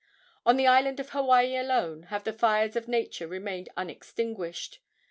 On the island of Hawaii alone have the fires of nature remained unextinguished.